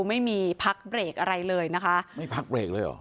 ไม่มีพักเบรกอะไรเลยนะคะไม่พักเบรกเลยเหรอ